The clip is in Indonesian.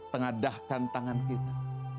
tengadahkan tangan kita